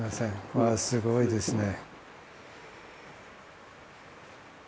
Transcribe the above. うわすごいですね。